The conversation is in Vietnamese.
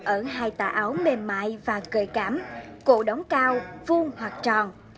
ở hai tà áo mềm mại và cười cảm cổ đóng cao vuông hoặc tròn